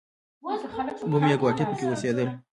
بوم یا ګواټي پکې اوسېدل.